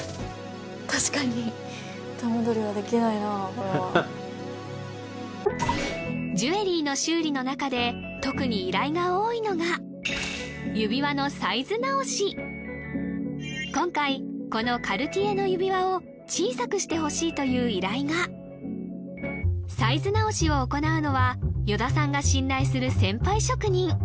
確かにジュエリーの修理の中で特に依頼が多いのが今回このカルティエの指輪を小さくしてほしいという依頼がサイズ直しを行うのは依田さんが信頼する先輩職人